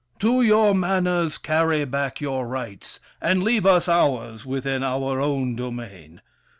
To your manors carry back your rights, And leave us ours within our own domain.